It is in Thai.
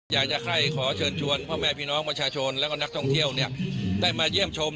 อยากจะให้ขอเชิญชวนพ่อแม่พี่น้องประชาชนแล้วก็นักท่องเที่ยวได้มาเยี่ยมชม